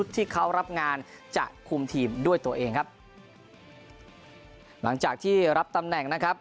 ที่เขารับงานจะด้วยตัวเองครับจากที่รับตำหนักนะครับ